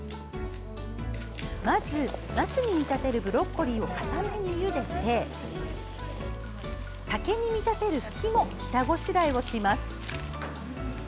まず、松に見立てるブロッコリーをかためにゆでて竹に見立てるふきも下ごしらえします。